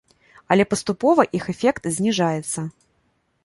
Але паступова іх эфект зніжаецца.